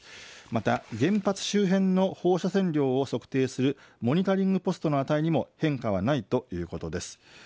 また原発周辺の放射線量を測定するモニタリングポストの値にも変化はないということです。